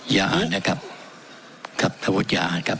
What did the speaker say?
อย่าอ่านนะครับครับโทษอย่าอ่านครับ